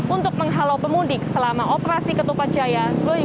untuk menghalau pemudik selama operasi ketupat jaya dua ribu dua puluh